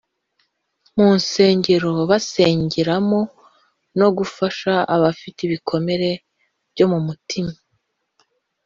mu nsengero basengeramo no gufasha abagifite ibikomere byo mu mitima